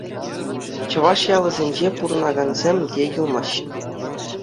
Чӑваш ялӗсенче пурӑнакансем те юлмаҫҫӗ.